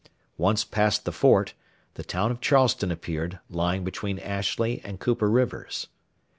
Once past the fort, the town of Charleston appeared, lying between Ashley and Cooper Rivers.